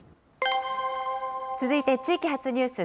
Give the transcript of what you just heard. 続いて、地域発ニュース。